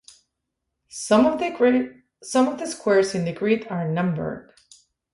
Some of the squares in the grid are numbered.